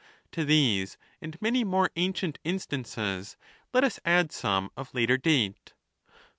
To these, and many more ancient instances, let us add some of later date.